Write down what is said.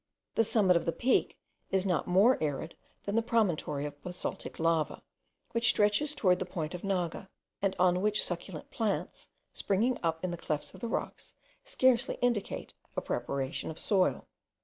The summit of the peak is not more arid than the promontory of basaltic lava, which stretches towards the point of Naga, and on which succulent plants, springing up in the clefts of the rocks, scarcely indicate a preparation of soil.